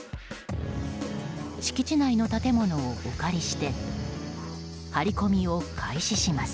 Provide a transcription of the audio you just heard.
敷地内の建物をお借りして張り込みを開始します。